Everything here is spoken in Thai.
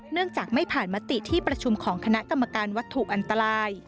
เนื่องจากไม่ผ่านมติที่ประชุมของคณะกรรมการวัตถุอันตราย